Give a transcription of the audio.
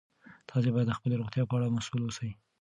تاسي باید د خپلې روغتیا په اړه مسؤل اوسئ.